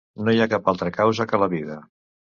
No hi ha cap altra causa que la vida.